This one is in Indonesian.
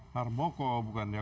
harboko bukan ya